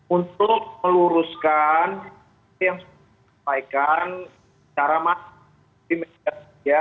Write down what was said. untuk meluruskan yang disampaikan secara maksimal